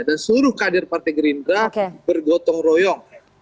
dan seluruh kader partai gerindra bergotong royong